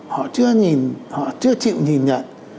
họ chưa chịu nhìn nhận